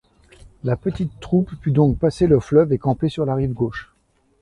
La petite troupe put donc passer le fleuve et camper sur la rive gauche.